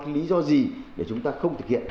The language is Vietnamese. lý do gì để chúng ta không thực hiện